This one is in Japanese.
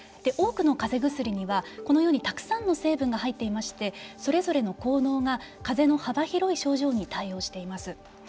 多くのかぜ薬にはこのように、たくさんの成分が入っていましてそれぞれの効能がかぜの幅広い症状に対応しています。